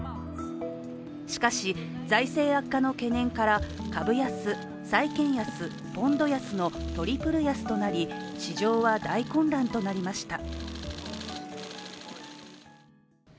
しかし、財政悪化の懸念から株安、債券安、ポンド安のトリプル安となり市場は大混乱となりました。